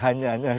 lumayan juga ini